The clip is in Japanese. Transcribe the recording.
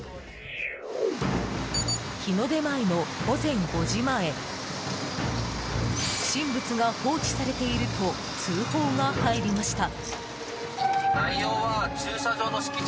日の出前の午前５時前不審物が放置されていると通報が入りました。